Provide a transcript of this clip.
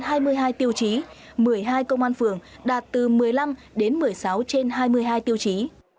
trong đó có một mươi hai tiêu chí một mươi hai công an phường đạt từ một mươi năm đến một mươi sáu trên hai mươi hai tiêu chí